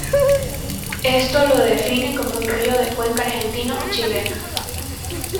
Esto lo define como un río de cuenca argentino-chilena.